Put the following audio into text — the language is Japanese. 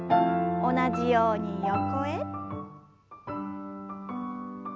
同じように横へ。